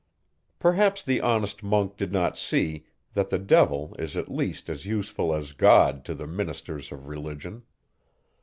Perhaps the honest monk did not see, that the devil is at least as useful as God to the ministers of religion.